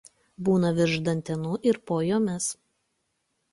Būna virš dantenų ir po jomis.